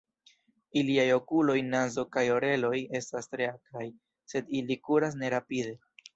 Iliaj okuloj, nazo kaj oreloj estas tre akraj, sed ili kuras ne rapide.